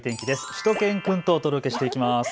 しゅと犬くんとお伝えしていきます。